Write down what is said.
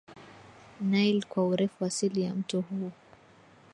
Nile kwa urefu Asili ya mto huu